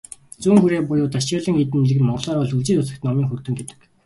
Зүүн хүрээ буюу "Дашчойлин" хийдийн нэрийг монголоор бол "Өлзий хутагт номын хүрдэн" гэдэг.